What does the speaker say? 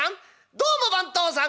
どうも番頭さん。